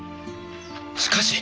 しかし。